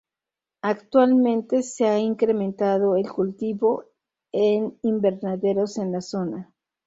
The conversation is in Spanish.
Actualmente se ha incrementado el cultivo en invernaderos en la zona.